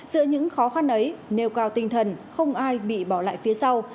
giữa những khó khăn ấy nêu cao tinh thần không ai bị bỏ lại phía sau